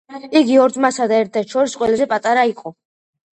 იგი ორ ძმასა და ერთ დას შორის ყველაზე პატარა იყო.